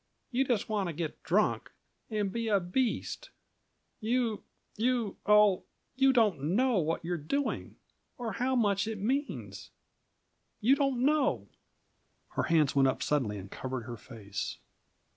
You just want to get drunk, and be a beast. You you oh you don't know what you're doing, or how much it means! You don't know!" Her hands went up suddenly and covered her face.